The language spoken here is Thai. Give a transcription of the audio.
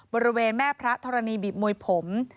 บริเวณแม่พระธรณีบีบมวยผม